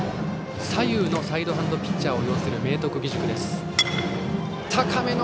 左右のサイドハンドピッチャーを擁する明徳義塾です。